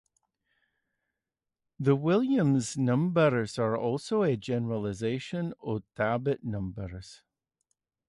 The Williams numbers are also a generalization of Thabit numbers.